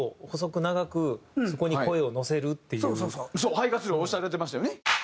肺活量おっしゃられてましたよね。